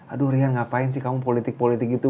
aduh rian ngapain sih kamu politik politik itu